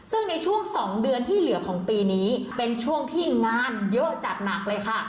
ซึ่งในช่วง๒เดือนที่เหลือของปีนี้เป็นช่วงที่งานเยอะจัดหนักเลยค่ะ